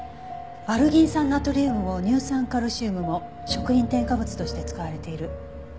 アルギン酸ナトリウムも乳酸カルシウムも食品添加物として使われている。